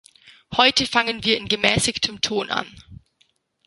Heute fangen wir in gemäßigtem Ton an.